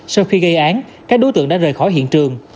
sau khi gây án các đối tượng đã rời khỏi hiện trường